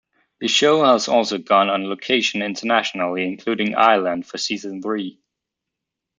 The show has also gone on location internationally including Ireland for Season Thre.